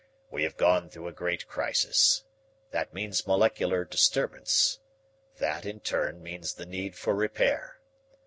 "We have gone through a great crisis. That means molecular disturbance. That in turn means the need for repair.